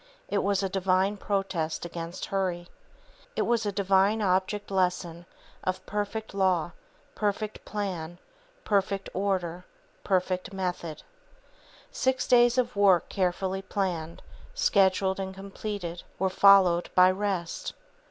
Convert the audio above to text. It was a Divine protest against Hurry. It was a Divine object lesson of perfect law, perfect plan, perfect order, perfect method. Six days of work carefully planned, scheduled and completed were followed by, rest.